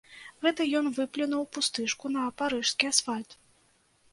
Гэта ён выплюнуў пустышку на парыжскі асфальт.